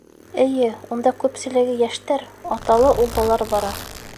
Эйе, унда күпселеге йәштәр, аталы-уллылар бара.